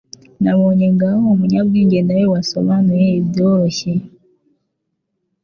Nabonye ngaho umunyabwenge nawe wasobanuye ibyoroshye